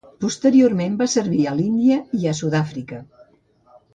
Posteriorment va servir a l'Índia i a Sud-àfrica.